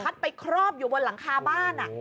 ไปครอบอยู่บนหลังคาบ้าน